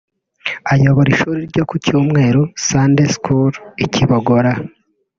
ayobora ishuri ryo ku cyumweru (Sunday school) i Kibogora